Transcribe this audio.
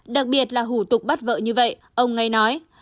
đặc biệt là hủ tục bắt vợ như vậy ông ngay nói